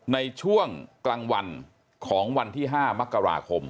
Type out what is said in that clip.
ในช่วงกลางวันของวันที่๕มกราคม